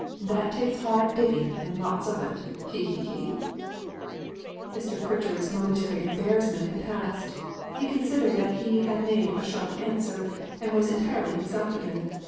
That takes hard digging, and lots of it. He, he, he!" Mr. Pritchard's momentary embarrassment had passed. He considered that he had made a sharp answer, and was entirely himself again.